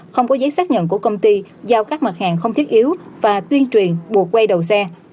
không có giấy xác nhận của công ty giao các mặt hàng không thiết yếu và tuyên truyền buộc quay đầu xe